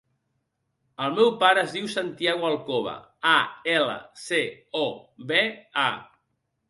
El meu pare es diu Santiago Alcoba: a, ela, ce, o, be, a.